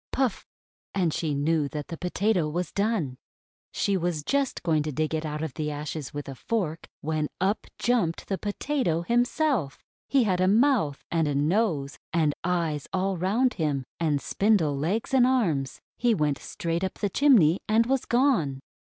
Puff!" and she knew that the Potato was done. She was just going to dig it out of the ashes POTATO! POTATO! 351 with a fork, when up jumped the Potato him self! He had a mouth, and a nose, and eyes all round him, and spindle legs and arms. He went straight up the chimney and was gone.